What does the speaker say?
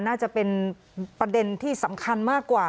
น่าจะเป็นประเด็นที่สำคัญมากกว่า